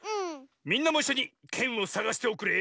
みんなもいっしょにけんをさがしておくれ。